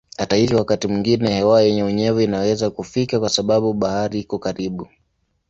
Hata hivyo wakati mwingine hewa yenye unyevu inaweza kufika kwa sababu bahari iko karibu.